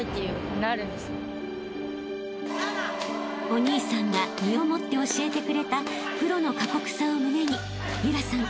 ［お兄さんが身をもって教えてくれたプロの過酷さを胸に夢空さん